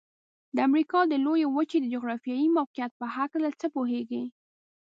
د امریکا د لویې وچې د جغرافيايي موقعیت په هلکه څه پوهیږئ؟